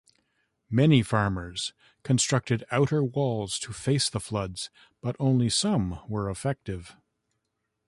Many farmers constructed outer walls to face the floods, but only some were effective.